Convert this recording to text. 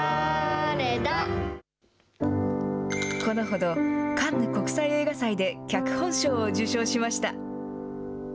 このほど、カンヌ国際映画祭で脚本賞を受賞しました。